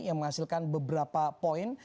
yang menghasilkan beberapa poin